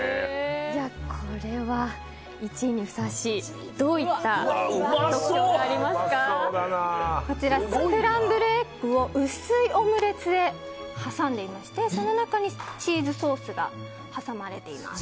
これは１位にふさわしいスクランブルエッグを薄いオムレツで挟んでいましてその中にチーズソースが挟まれています。